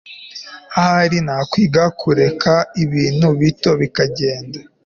ahari nakwiga kureka ibintu bito bikagenda